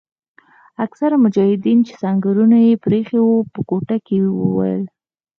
اکثره مجاهدین چې سنګرونه یې پریښي وو په کوټه کې وویل.